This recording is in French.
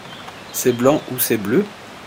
C'est blanc ou c'est bleu ?